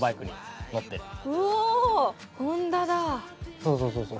そうそうそうそう。